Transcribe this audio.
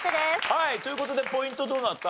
はいという事でポイントどうなった？